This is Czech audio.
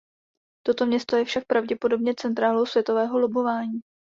Toto město je však pravděpodobně centrálou světového lobování.